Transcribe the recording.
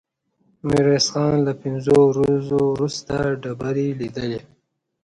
ميرويس خان له پنځو ورځو وروسته ډبرې ليدلې.